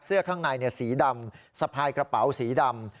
เสื้อข้างในเนี่ยสีดำสะพายกระเป๋าสีดำ